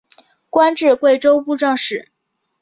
官至贵州布政使。